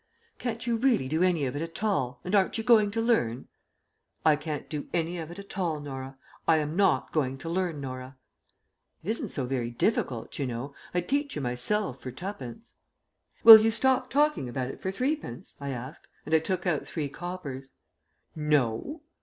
"Can't you really do any of it at all, and aren't you going to learn?" "I can't do any of it at all, Norah. I am not going to learn, Norah." "It isn't so very difficult, you know. I'd teach you myself for tuppence." "Will you stop talking about it for threepence?" I asked, and I took out three coppers. "No."